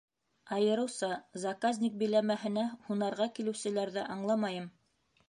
Айырыуса заказник биләмәһенә һунарға килеүселәрҙе аңламайым.